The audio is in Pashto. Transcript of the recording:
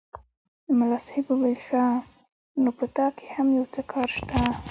ملا صاحب وویل ښه! نو په تا کې هم یو څه کار شته.